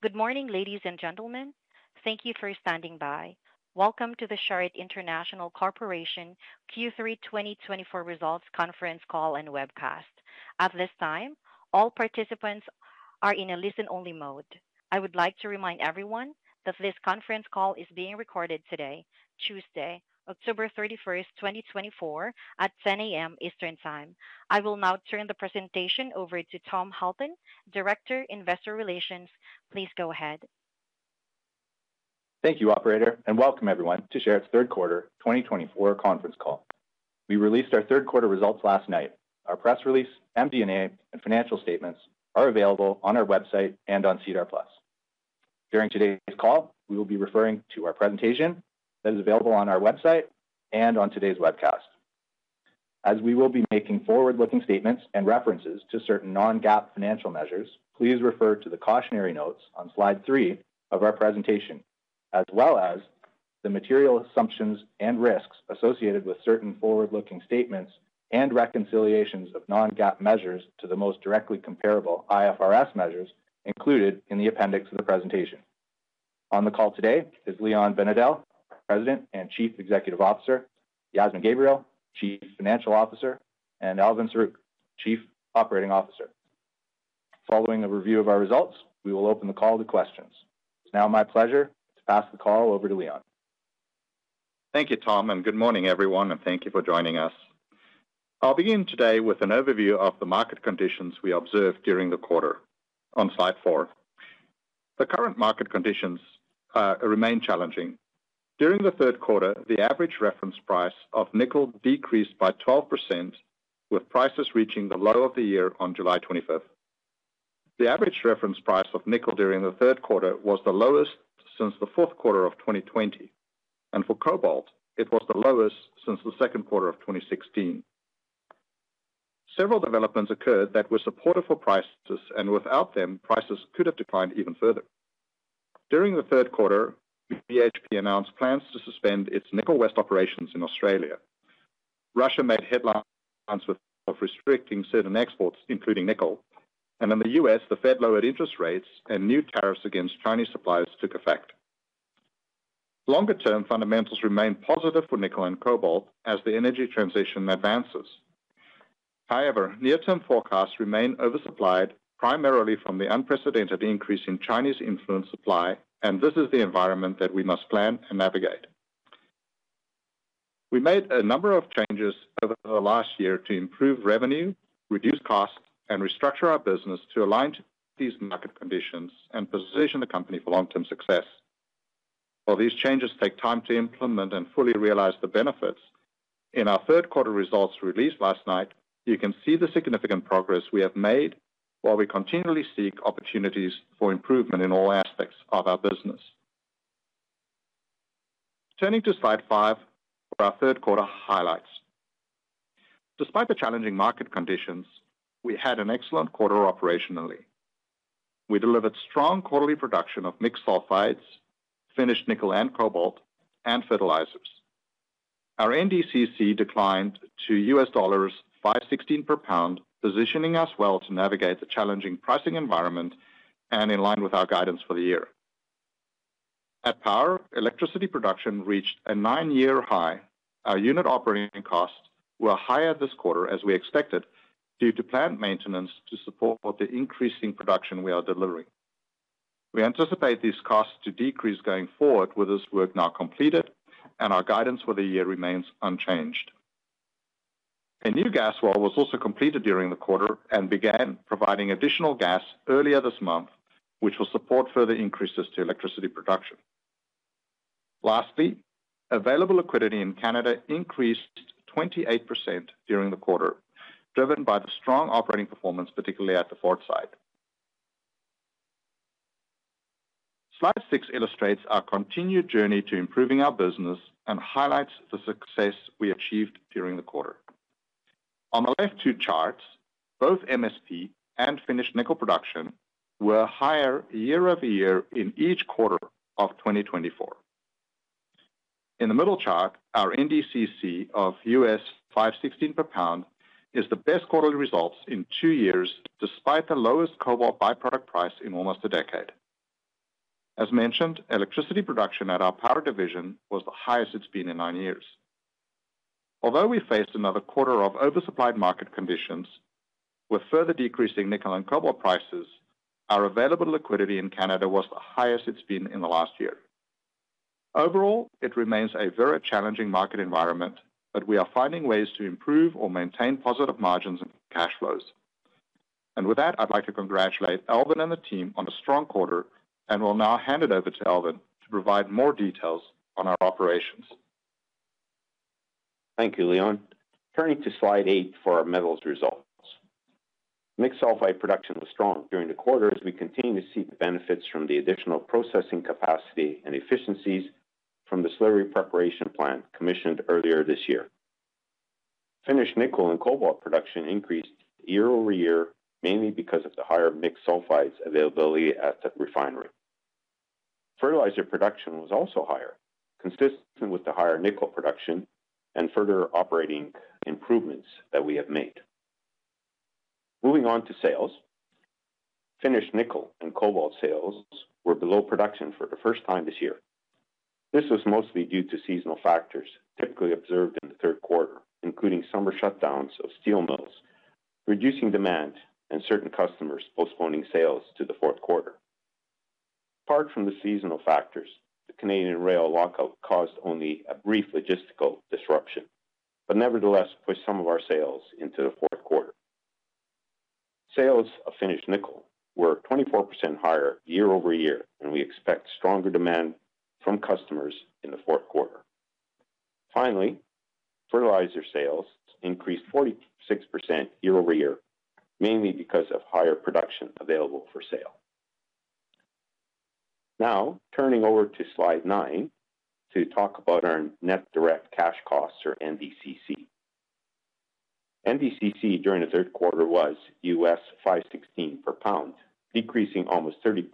Good morning, ladies and gentlemen. Thank you for standing by. Welcome to the Sherritt International Corporation Q3 2024 Results Conference Call and Webcast. At this time, all participants are in a listen-only mode. I would like to remind everyone that this conference call is being recorded today, Tuesday, October 31st, 2024, at 10:00 A.M. Eastern Time. I will now turn the presentation over to Tom Halton, Director, Investor Relations. Please go ahead. Thank you, Operator, and welcome everyone to Sherritt's Third Quarter 2024 conference call. We released our third quarter results last night. Our press release, MD&A, and financial statements are available on our website and on SEDAR+. During today's call, we will be referring to our presentation that is available on our website and on today's webcast. As we will be making forward-looking statements and references to certain non-GAAP financial measures, please refer to the cautionary notes on slide three of our presentation, as well as the material assumptions and risks associated with certain forward-looking statements and reconciliations of non-GAAP measures to the most directly comparable IFRS measures included in the appendix of the presentation. On the call today is Leon Binedell, President and Chief Executive Officer, Yasmin Gabriel, Chief Financial Officer, and Elvin Saruk, Chief Operating Officer. Following a review of our results, we will open the call to questions. It's now my pleasure to pass the call over to Leon. Thank you, Tom, and good morning, everyone, and thank you for joining us. I'll begin today with an overview of the market conditions we observed during the quarter. On slide four, the current market conditions remain challenging. During the third quarter, the average reference price of nickel decreased by 12%, with prices reaching the low of the year on July 25th. The average reference price of nickel during the third quarter was the lowest since the fourth quarter of 2020, and for cobalt, it was the lowest since the second quarter of 2016. Several developments occurred that were supportive for prices and without them, prices could have declined even further. During the third quarter, BHP announced plans to suspend its Nickel West operations in Australia. Russia made headlines with restricting certain exports, including nickel, and in the U.S., the Fed lowered interest rates, and new tariffs against Chinese suppliers took effect. Longer-term fundamentals remain positive for nickel and cobalt as the energy transition advances. However, near-term forecasts remain oversupplied, primarily from the unprecedented increase in Chinese-influenced supply, and this is the environment that we must plan and navigate. We made a number of changes over the last year to improve revenue, reduce costs, and restructure our business to align to these market conditions and position the company for long-term success. While these changes take time to implement and fully realize the benefits, in our third quarter results released last night, you can see the significant progress we have made while we continually seek opportunities for improvement in all aspects of our business. Turning to slide five for our third quarter highlights. Despite the challenging market conditions, we had an excellent quarter operationally. We delivered strong quarterly production of mixed sulfides, finished nickel and cobalt, and fertilizers. Our NDCC declined to $5.16 per pound, positioning us well to navigate the challenging pricing environment and in line with our guidance for the year. At power, electricity production reached a nine-year high. Our unit operating costs were higher this quarter, as we expected, due to plant maintenance to support the increasing production we are delivering. We anticipate these costs to decrease going forward with this work now completed, and our guidance for the year remains unchanged. A new gas well was also completed during the quarter and began providing additional gas earlier this month, which will support further increases to electricity production. Lastly, available liquidity in Canada increased 28% during the quarter, driven by the strong operating performance, particularly at the Fort Site. Slide six illustrates our continued journey to improving our business and highlights the success we achieved during the quarter. On the left two charts, both MSP and finished nickel production were higher year over year in each quarter of 2024. In the middle chart, our NDCC of $5.16 per pound is the best quarterly results in two years, despite the lowest cobalt byproduct price in almost a decade. As mentioned, electricity production at our power division was the highest it's been in nine years. Although we faced another quarter of oversupplied market conditions with further decreasing nickel and cobalt prices, our available liquidity in Canada was the highest it's been in the last year. Overall, it remains a very challenging market environment, but we are finding ways to improve or maintain positive margins and cash flows. And with that, I'd like to congratulate Elvin and the team on a strong quarter, and we'll now hand it over to Elvin to provide more details on our operations. Thank you, Leon. Turning to slide eight for our metals results. Mixed sulfide production was strong during the quarter as we continue to see the benefits from the additional processing capacity and efficiencies from the slurry preparation plant commissioned earlier this year. Finished nickel and cobalt production increased year over year, mainly because of the higher mixed sulfides availability at the refinery. Fertilizer production was also higher, consistent with the higher nickel production and further operating improvements that we have made. Moving on to sales, finished nickel and cobalt sales were below production for the first time this year. This was mostly due to seasonal factors typically observed in the third quarter, including summer shutdowns of steel mills, reducing demand, and certain customers postponing sales to the fourth quarter. Apart from the seasonal factors, the Canadian rail lockout caused only a brief logistical disruption, but nevertheless pushed some of our sales into the fourth quarter. Sales of finished nickel were 24% higher year over year, and we expect stronger demand from customers in the fourth quarter. Finally, fertilizer sales increased 46% year over year, mainly because of higher production available for sale. Now turning over to slide nine to talk about our net direct cash costs, or NDCC. NDCC during the third quarter was $5.16 per pound, decreasing almost 30%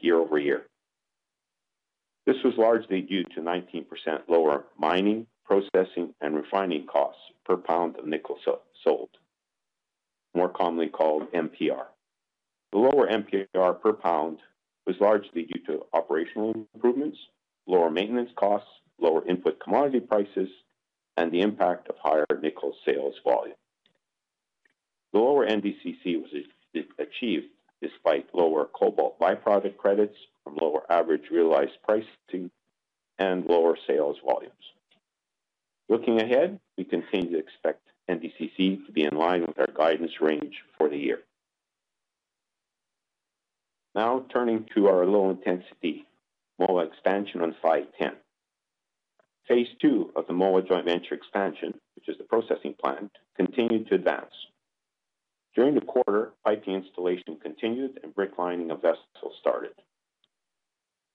year over year. This was largely due to 19% lower mining, processing, and refining costs per pound of nickel sold, more commonly called MPR. The lower MPR per pound was largely due to operational improvements, lower maintenance costs, lower input commodity prices, and the impact of higher nickel sales volume. The lower NDCC was achieved despite lower cobalt byproduct credits from lower average realized pricing and lower sales volumes. Looking ahead, we continue to expect NDCC to be in line with our guidance range for the year. Now turning to our low-intensity Moa expansion on slide 10. Phase II of the Moa Joint Venture expansion, which is the processing plant, continued to advance. During the quarter, piping installation continued and brick lining of vessels started.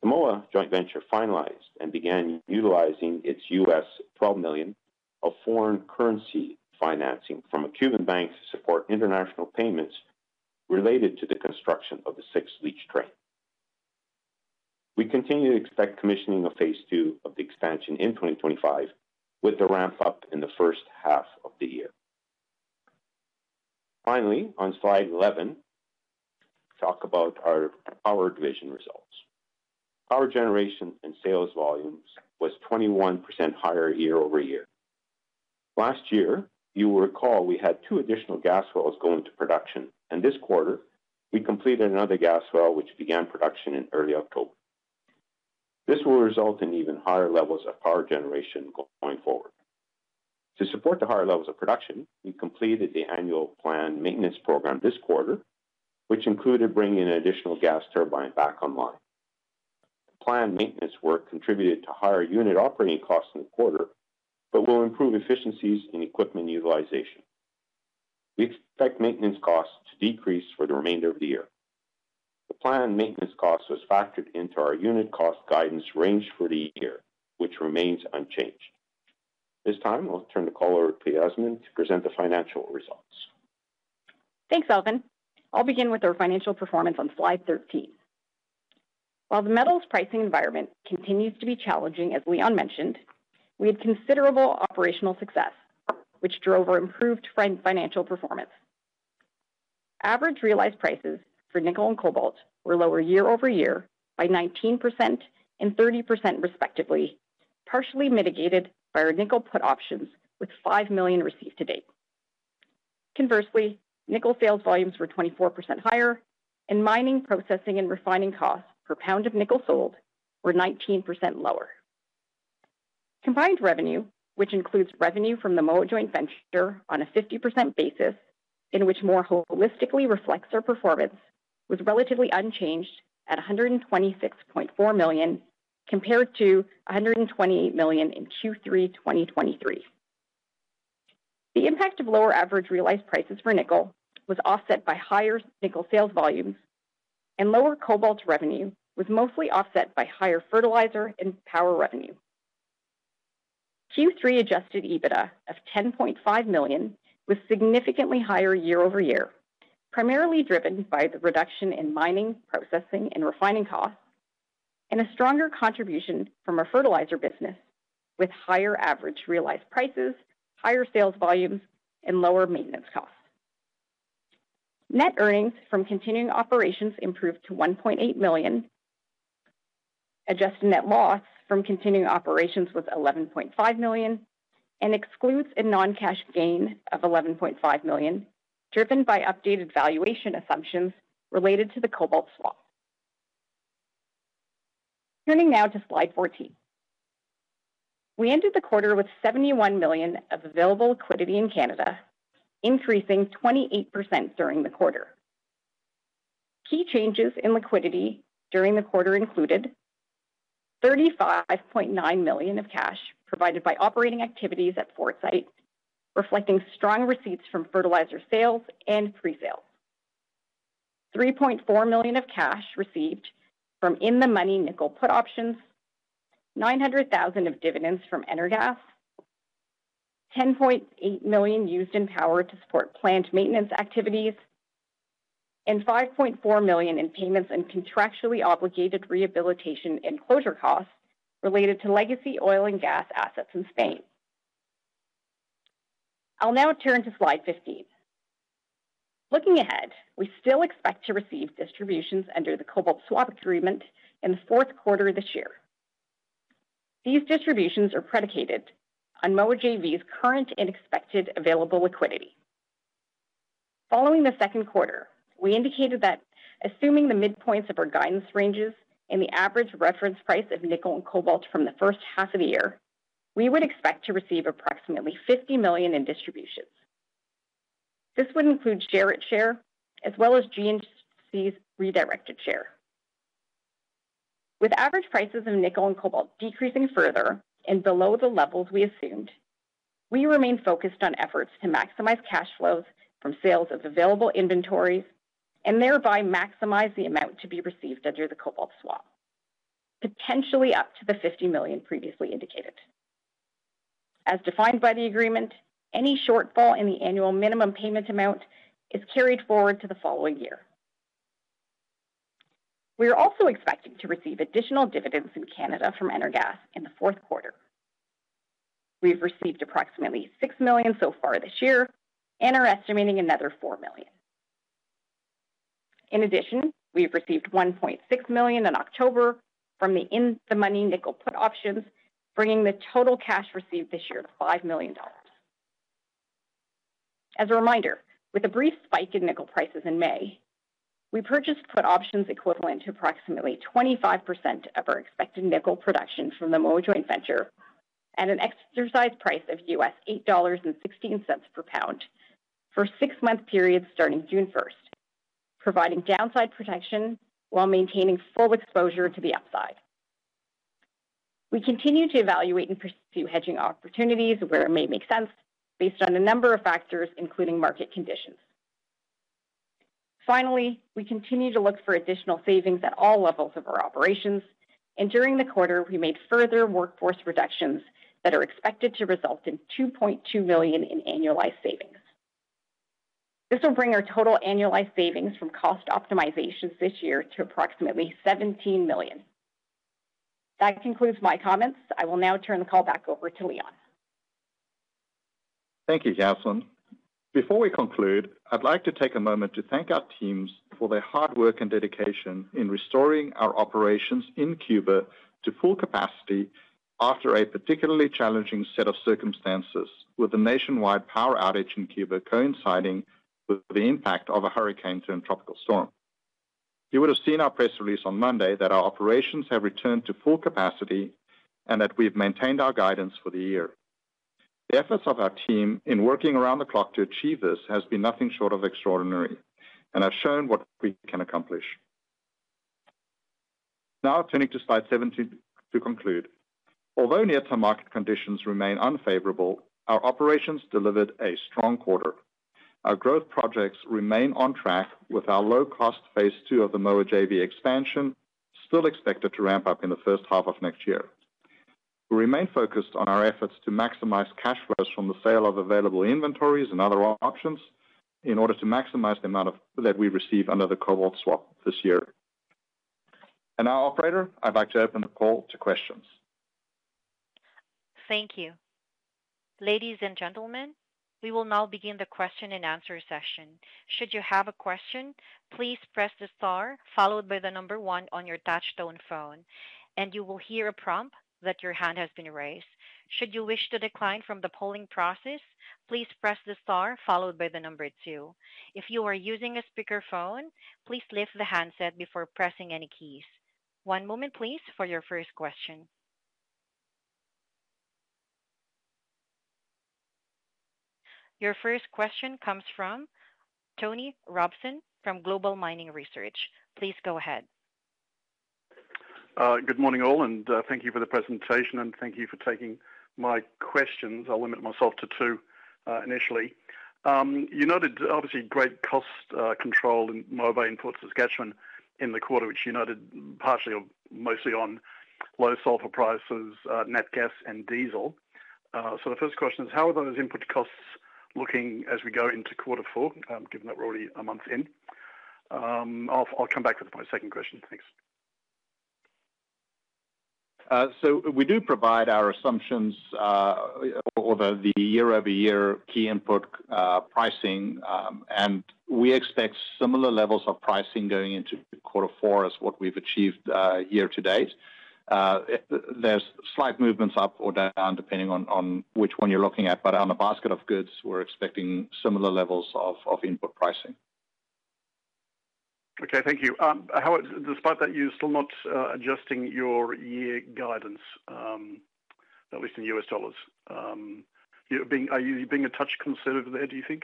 The Moa Joint Venture finalized and began utilizing its U.S. $12 million of foreign currency financing from a Cuban bank to support international payments related to the construction of the Sixth Leach Train. We continue to expect commissioning of phase II of the expansion in 2025 with the ramp-up in the first half of the year. Finally, on slide 11, we'll talk about our power division results. Power generation and sales volumes were 21% higher year over year. Last year, you will recall we had two additional gas wells going to production, and this quarter we completed another gas well, which began production in early October. This will result in even higher levels of power generation going forward. To support the higher levels of production, we completed the annual planned maintenance program this quarter, which included bringing an additional gas turbine back online. Planned maintenance work contributed to higher unit operating costs in the quarter, but will improve efficiencies in equipment utilization. We expect maintenance costs to decrease for the remainder of the year. The planned maintenance costs were factored into our unit cost guidance range for the year, which remains unchanged. This time, I'll turn the call over to Yasmin to present the financial results. Thanks, Elvin. I'll begin with our financial performance on slide 13. While the metals pricing environment continues to be challenging, as Leon mentioned, we had considerable operational success, which drove our improved financial performance. Average realized prices for nickel and cobalt were lower year over year by 19% and 30% respectively, partially mitigated by our nickel put options with 5 million received to date. Conversely, nickel sales volumes were 24% higher, and mining, processing, and refining costs per pound of nickel sold were 19% lower. Combined revenue, which includes revenue from the Moa Joint Venture on a 50% basis, in which more holistically reflects our performance, was relatively unchanged at 126.4 million compared to 128 million in Q3 2023. The impact of lower average realized prices for nickel was offset by higher nickel sales volumes, and lower cobalt revenue was mostly offset by higher fertilizer and power revenue. Q3 adjusted EBITDA of $10.5 million was significantly higher year over year, primarily driven by the reduction in mining, processing, and refining costs, and a stronger contribution from our fertilizer business with higher average realized prices, higher sales volumes, and lower maintenance costs. Net earnings from continuing operations improved to $1.8 million. Adjusted net loss from continuing operations was $11.5 million and excludes a non-cash gain of $11.5 million, driven by updated valuation assumptions related to the cobalt swap. Turning now to slide 14. We ended the quarter with $71 million of available liquidity in Canada, increasing 28% during the quarter. Key changes in liquidity during the quarter included $35.9 million of cash provided by operating activities at Fort Site, reflecting strong receipts from fertilizer sales and pre-sales. $3.4 million of cash received from in-the-money nickel put options, $900,000 of dividends from Energas, $10.8 million used in power to support planned maintenance activities, and $5.4 million in payments and contractually obligated rehabilitation and closure costs related to legacy oil and gas assets in Spain. I'll now turn to slide 15. Looking ahead, we still expect to receive distributions under the cobalt swap agreement in the fourth quarter of this year. These distributions are predicated on MOA JV's current and expected available liquidity. Following the second quarter, we indicated that assuming the midpoints of our guidance ranges and the average reference price of nickel and cobalt from the first half of the year, we would expect to receive approximately $50 million in distributions. This would include Sherritt's share as well as GNC's redirected share. With average prices of nickel and cobalt decreasing further and below the levels we assumed, we remain focused on efforts to maximize cash flows from sales of available inventories and thereby maximize the amount to be received under the cobalt swap, potentially up to the 50 million previously indicated. As defined by the agreement, any shortfall in the annual minimum payment amount is carried forward to the following year. We are also expecting to receive additional dividends in Canada from Energas in the fourth quarter. We've received approximately $6 million so far this year and are estimating another $4 million. In addition, we've received $1.6 million in October from the in-the-money nickel put options, bringing the total cash received this year to $5 million. As a reminder, with a brief spike in nickel prices in May, we purchased put options equivalent to approximately 25% of our expected nickel production from the Moa Joint Venture at an exercise price of $8.16 U.S. per pound for a six-month period starting June 1st, providing downside protection while maintaining full exposure to the upside. We continue to evaluate and pursue hedging opportunities where it may make sense based on a number of factors, including market conditions. Finally, we continue to look for additional savings at all levels of our operations, and during the quarter, we made further workforce reductions that are expected to result in $2.2 million in annualized savings. This will bring our total annualized savings from cost optimizations this year to approximately $17 million. That concludes my comments. I will now turn the call back over to Leon. Thank you, Yasmin. Before we conclude, I'd like to take a moment to thank our teams for their hard work and dedication in restoring our operations in Cuba to full capacity after a particularly challenging set of circumstances, with the nationwide power outage in Cuba coinciding with the impact of a hurricane-turned tropical storm. You would have seen our press release on Monday that our operations have returned to full capacity and that we've maintained our guidance for the year. The efforts of our team in working around the clock to achieve this have been nothing short of extraordinary and have shown what we can accomplish. Now turning to slide 17 to conclude. Although near-term market conditions remain unfavorable, our operations delivered a strong quarter. Our growth projects remain on track with our low-cost phase two of the Moa JV expansion still expected to ramp up in the first half of next year. We remain focused on our efforts to maximize cash flows from the sale of available inventories and other options in order to maximize the amount of that we receive under the cobalt swap this year. And now, Operator, I'd like to open the call to questions. Thank you. Ladies and gentlemen, we will now begin the question and answer session. Should you have a question, please press the star followed by the number one on your touch-tone phone, and you will hear a prompt that your hand has been raised. Should you wish to decline from the polling process, please press the star followed by the number two. If you are using a speakerphone, please lift the handset before pressing any keys. One moment, please, for your first question. Your first question comes from Tony Robson from Global Mining Research. Please go ahead. Good morning, all, and thank you for the presentation, and thank you for taking my questions. I'll limit myself to two initially. You noted, obviously, great cost control in Moa in Fort Saskatchewan, in the quarter, which you noted partially or mostly on low sulfur prices, natural gas, and diesel. So the first question is, how are those input costs looking as we go into quarter four, given that we're already a month in? I'll come back with my second question. Thanks. We do provide our assumptions, although the year-over-year key input pricing, and we expect similar levels of pricing going into quarter four as what we've achieved year to date. There's slight movements up or down depending on which one you're looking at, but on a basket of goods, we're expecting similar levels of input pricing. Okay, thank you. Howard, despite that, you're still not adjusting your year guidance, at least in U.S. dollars. Are you being a touch conservative there, do you think?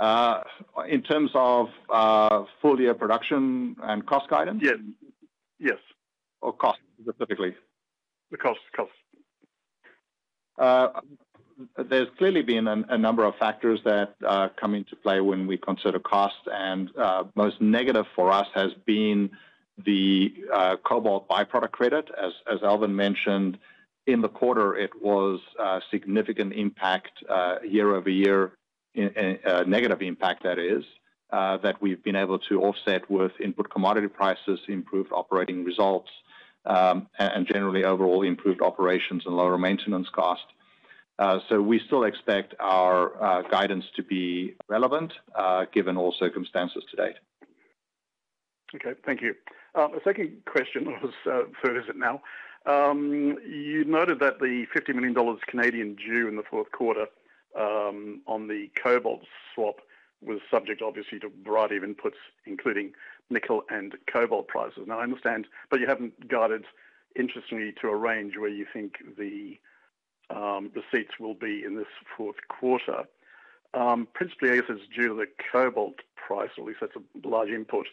In terms of full year production and cost guidance? Yes. Or cost specifically? The cost. There's clearly been a number of factors that come into play when we consider cost, and most negative for us has been the cobalt byproduct credit. As Elvin mentioned, in the quarter, it was a significant impact year over year, negative impact, that is, that we've been able to offset with input commodity prices, improved operating results, and generally overall improved operations and lower maintenance cost. So we still expect our guidance to be relevant given all circumstances to date. Okay, thank you. A second question was for Elizabeth now. You noted that the 50 million Canadian dollars due in the fourth quarter on the cobalt swap was subject, obviously, to a variety of inputs, including nickel and cobalt prices. Now, I understand, but you haven't guided, interestingly, to a range where you think the receipts will be in this fourth quarter. Principally, I guess, it's due to the cobalt price, or at least that's a large input.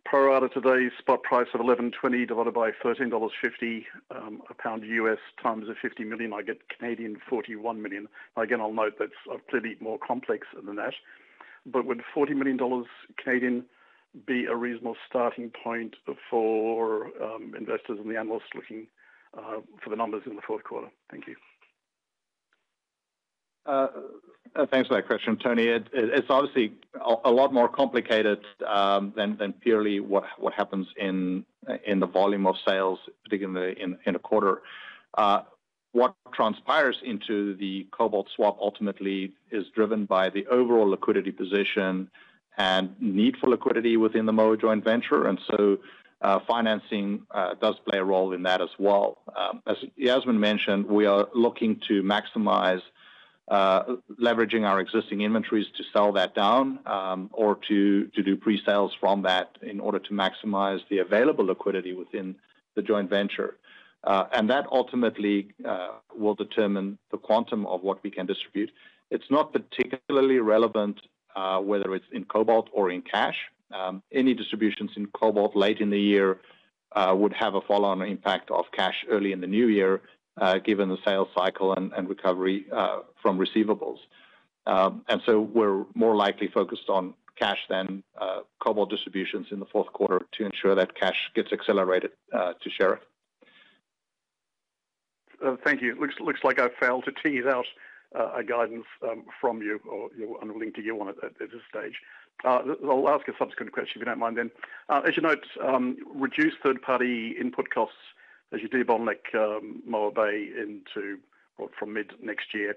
If I simply pro-rata today spot price of $11.20 divided by $13.50 a pound U.S. times a 50 million, I get 41 million. Again, I'll note that's clearly more complex than that, but would 40 million Canadian dollars be a reasonable starting point for investors and the analysts looking for the numbers in the fourth quarter? Thank you. Thanks for that question, Tony. It's obviously a lot more complicated than purely what happens in the volume of sales, particularly in a quarter. What transpires into the cobalt swap ultimately is driven by the overall liquidity position and need for liquidity within the Moa Joint Venture, and so financing does play a role in that as well. As Yasmin mentioned, we are looking to maximize leveraging our existing inventories to sell that down or to do pre-sales from that in order to maximize the available liquidity within the joint venture, and that ultimately will determine the quantum of what we can distribute. It's not particularly relevant whether it's in cobalt or in cash. Any distributions in cobalt late in the year would have a follow-on impact of cash early in the new year given the sales cycle and recovery from receivables. We're more likely focused on cash than cobalt distributions in the fourth quarter to ensure that cash gets accelerated to share it. Thank you. Looks like I failed to tease out a guidance from you or you're unwilling to give one at this stage. I'll ask a subsequent question if you don't mind then. As you note, reduce third-party input costs as you de-bottleneck the Moa JV from mid next year.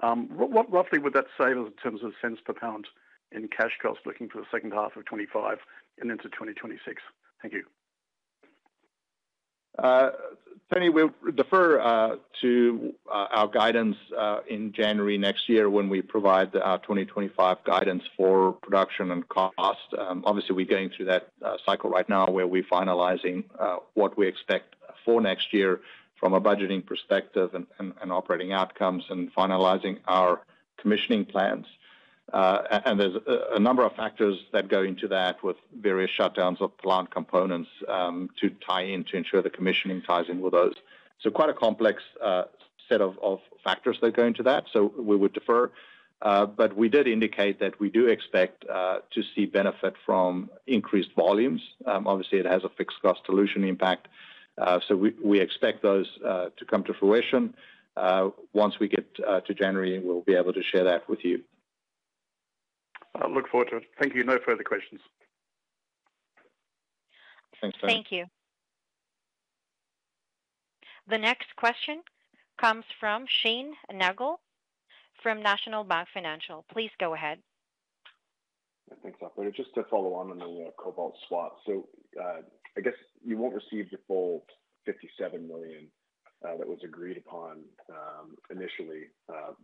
What roughly would that say in terms of cents per pound in cash costs looking for the second half of 2025 and into 2026? Thank you. Tony, we'll defer to our guidance in January next year when we provide our 2025 guidance for production and cost. Obviously, we're going through that cycle right now where we're finalizing what we expect for next year from a budgeting perspective and operating outcomes and finalizing our commissioning plans, and there's a number of factors that go into that with various shutdowns of plant components to tie in to ensure the commissioning ties in with those, so quite a complex set of factors that go into that, so we would defer, but we did indicate that we do expect to see benefit from increased volumes. Obviously, it has a fixed cost dilution impact, so we expect those to come to fruition. Once we get to January, we'll be able to share that with you. I look forward to it. Thank you. No further questions. Thanks, Tony. Thank you. The next question comes from Shane Nagle from National Bank Financial. Please go ahead. Thanks, Operator. Just to follow on the cobalt swap, so I guess you won't receive the full $57 million that was agreed upon initially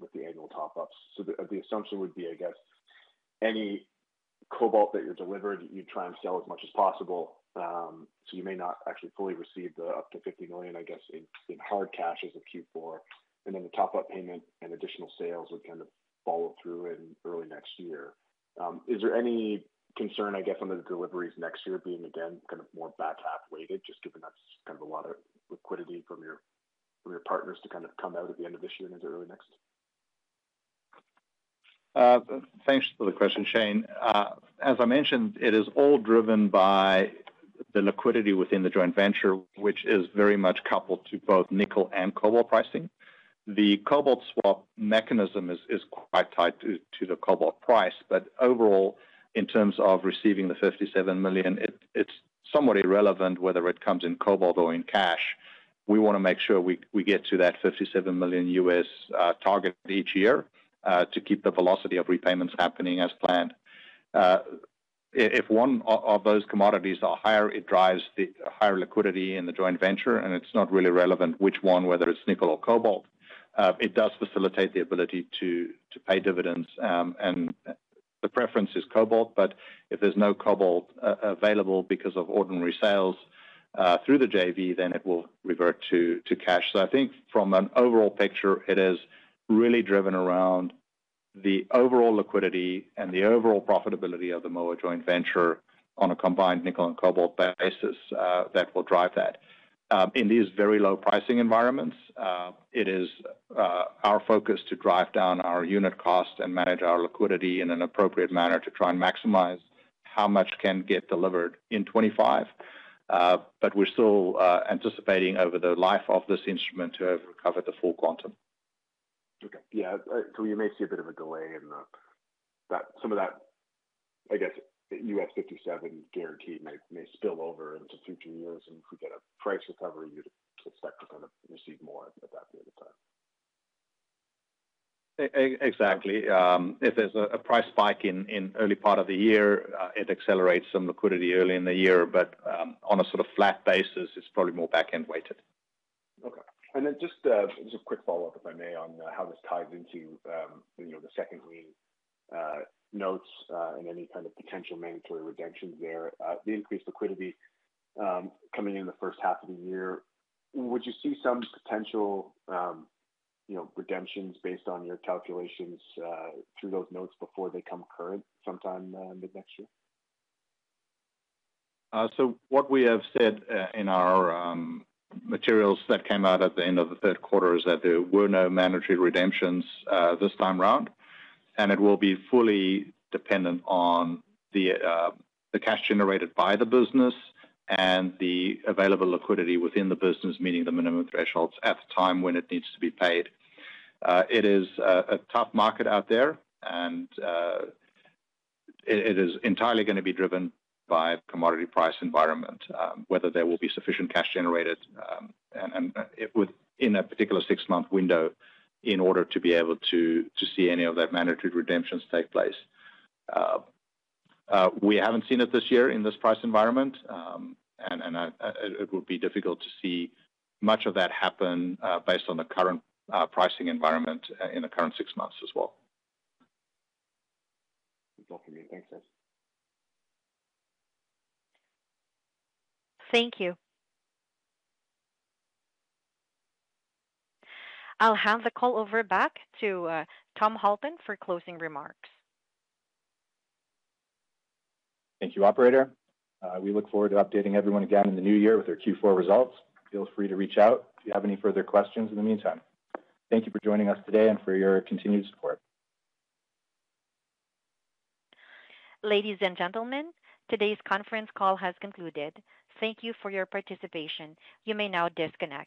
with the annual top-ups. So the assumption would be, I guess, any cobalt that you're delivered, you try and sell as much as possible, so you may not actually fully receive the up to $50 million, I guess, in hard cash as of Q4, and then the top-up payment and additional sales would kind of follow through in early next year. Is there any concern, I guess, under the deliveries next year being, again, kind of more back half weighted, just given that's kind of a lot of liquidity from your partners to kind of come out at the end of this year and into early next? Thanks for the question, Shane. As I mentioned, it is all driven by the liquidity within the joint venture, which is very much coupled to both nickel and cobalt pricing. The cobalt swap mechanism is quite tied to the cobalt price, but overall, in terms of receiving the $57 million, it's somewhat irrelevant whether it comes in cobalt or in cash. We want to make sure we get to that $57 million U.S. target each year to keep the velocity of repayments happening as planned. If one of those commodities are higher, it drives the higher liquidity in the joint venture, and it's not really relevant which one, whether it's nickel or cobalt. It does facilitate the ability to pay dividends, and the preference is cobalt, but if there's no cobalt available because of ordinary sales through the JV, then it will revert to cash. I think from an overall picture, it is really driven around the overall liquidity and the overall profitability of the Moa Joint Venture on a combined nickel and cobalt basis that will drive that. In these very low pricing environments, it is our focus to drive down our unit cost and manage our liquidity in an appropriate manner to try and maximize how much can get delivered in 2025, but we're still anticipating over the life of this instrument to have recovered the full quantum. You may see a bit of a delay in that. Some of that, I guess, U.S. 57 guarantee may spill over into future years, and if we get a price recovery, you'd expect to kind of receive more at that period of time. Exactly. If there's a price spike in early part of the year, it accelerates some liquidity early in the year, but on a sort of flat basis, it's probably more back-end weighted. Okay. And then just a quick follow-up, if I may, on how this ties into the second. Any notes in any kind of potential mandatory redemptions there, the increased liquidity coming in the first half of the year, would you see some potential redemptions based on your calculations through those notes before they come current sometime mid next year? What we have said in our materials that came out at the end of the third quarter is that there were no mandatory redemptions this time around, and it will be fully dependent on the cash generated by the business and the available liquidity within the business, meeting the minimum thresholds at the time when it needs to be paid. It is a tough market out there, and it is entirely going to be driven by the commodity price environment, whether there will be sufficient cash generated in a particular six-month window in order to be able to see any of that mandatory redemptions take place. We haven't seen it this year in this price environment, and it would be difficult to see much of that happen based on the current pricing environment in the current six months as well. Good talking to you. Thanks, guys. Thank you. I'll hand the call over back to Tom Halton for closing remarks. Thank you, Operator. We look forward to updating everyone again in the new year with their Q4 results. Feel free to reach out if you have any further questions in the meantime. Thank you for joining us today and for your continued support. Ladies and gentlemen, today's conference call has concluded. Thank you for your participation. You may now disconnect.